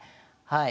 はい。